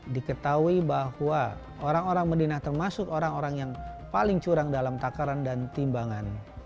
diketahui bahwa orang orang medinah termasuk orang orang yang paling curang dalam takaran dan timbangan